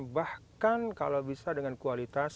bahkan kalau bisa dengan kualitas